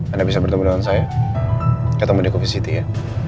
anda bisa bertemu dengan saya ketemu di komisi city ya